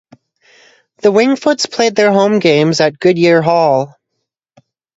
The Wingfoots played their home games at Goodyear Hall.